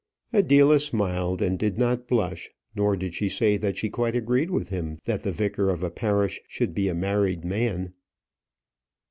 Adela smiled, and did not blush; nor did she say that she quite agreed with him that the vicar of a parish should be a married man.